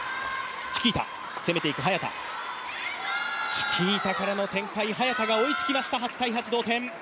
チキータからの展開、早田が追いつきました、８−８同点。